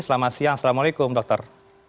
selamat siang assalamualaikum dokter